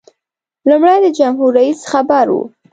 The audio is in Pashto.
لومړی د جمهور رئیس خبر و.